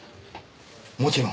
もちろん。